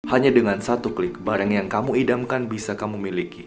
hanya dengan satu klik barang yang kamu idamkan bisa kamu miliki